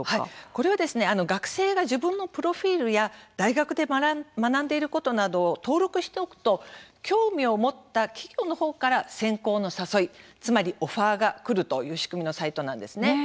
これは学生が自分のプロフィールや大学で学んでいることなどを登録しておくと興味を持った企業のほうから選考の誘い、つまりオファーがくるという仕組みのサイトなんですね。